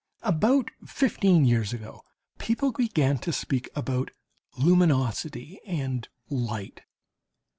About fifteen years ago people began to speak about "luminosity" and "light."